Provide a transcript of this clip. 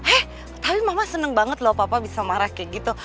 eh tapi mama seneng banget loh papa bisa marah kayak gitu